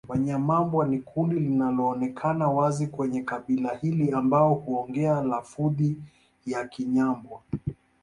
Wanyambwa ni kundi linaloonekana wazi kwenye kabila hili ambao huongea lafudhi ya Kinyambwa